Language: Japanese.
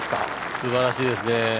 すばらしいですね